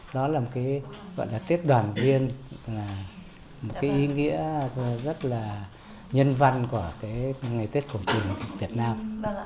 đó là một cái gọi là tết đoàn viên là một cái ý nghĩa rất là nhân văn của cái ngày tết cổ truyền việt nam